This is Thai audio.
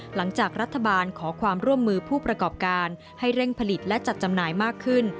หลังจากรัฐบาลขอความร่วมมือผู้ประกอบการให้เร่งผลิตและจัดจำหน่ายมากขึ้น